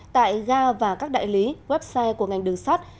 tại ga và các đại lý website của ngành đường sắt